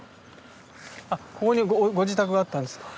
あっここにご自宅があったんですか？